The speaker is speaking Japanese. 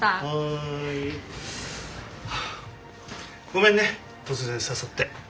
ごめんね突然誘って。